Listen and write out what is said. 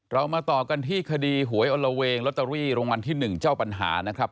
เรามาต่อกันที่คดีหวยอลละเวงลอตเตอรี่รางวัลที่๑เจ้าปัญหานะครับ